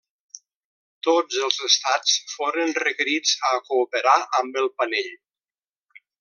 Tots els estats foren requerits a cooperar amb el panell.